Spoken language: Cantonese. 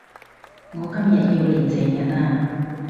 我今日要練成日呀